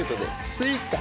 スイーツか。